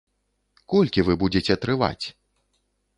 Колькі вы будзеце трываць?